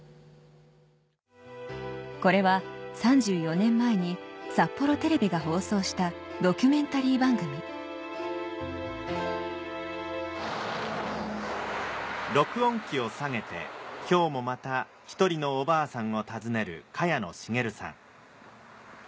これは３４年前に札幌テレビが放送したドキュメンタリー番組録音機を提げて今日もまた１人のおばあさんを訪ねる萱野茂さん。